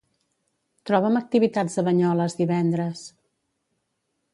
Troba'm activitats a Banyoles divendres.